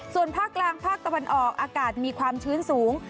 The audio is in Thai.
ส่วนภาคกลางภาคตะวันออกอากาศมีความชื้นสูง